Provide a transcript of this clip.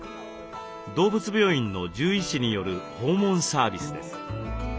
動物病院の獣医師による訪問サービスです。